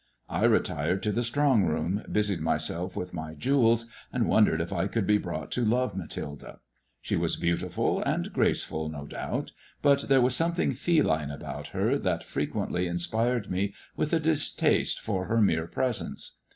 I retired to the strong room, busied myself with my jewels, and wondered if I could be brought to love Mathilde. She was beautiful and graceful, no doubt, but there was something feline about her that frequently in spired me with a distaste for her mere presence.